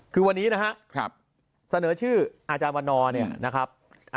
คือวันนี้นะครับเสนอชื่ออาจารย์วันนอร์เนี่ยนะครับ